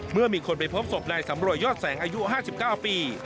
เมื่อมีคนไปพบศพนายสำรวยยอดแสงอายุ๕๙ปี